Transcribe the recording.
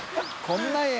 こんな絵。